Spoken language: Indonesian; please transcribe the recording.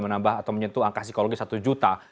menambah atau menyentuh angka psikologis satu juta